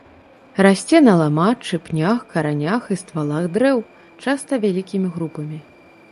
Расце на ламаччы, пнях, каранях і ствалах дрэў, часта вялікімі групамі.